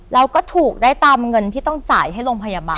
เราก็ถูกได้ตามเงินที่ต้องจ่ายให้โรงพยาบาล